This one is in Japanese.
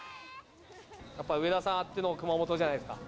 やっぱ上田さんあっての熊本じゃないですか。